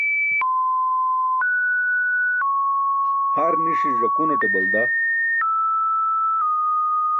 Har ni̇ṣi̇ ẓakunate balda.